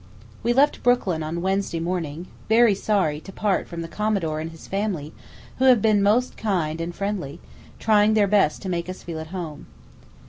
We left Brooklyn on Wednesday morning, very sorry to part from the Commodore and his family, who have been most kind and friendly, trying their best to make us feel at home.